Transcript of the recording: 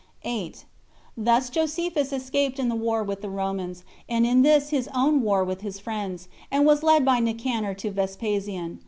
8. Thus Josephus escaped in the war with the Romans, and in this his own war with his friends, and was led by Nicanor to Vespasian.